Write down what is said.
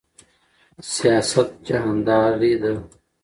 سیاست جهانداری ده